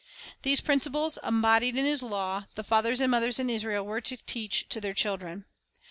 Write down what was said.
4 These principles, embodied in His law, the fathers and mothers in Israel were to teach their children.